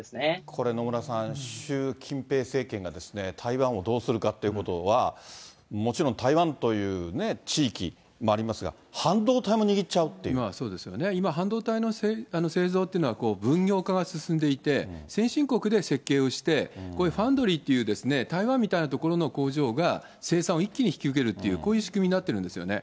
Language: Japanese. これ、野村さん、習近平政権が台湾をどうするかということは、もちろん台湾という地域もありますが、そうですよね、今、半導体の製造というのは分業化が進んでいて、先進国で設計をして、こういうファンドリーっていう、台湾みたいな所の工場が、生産を一気に引き受けるっていう、こういう仕組みになってるんですよね。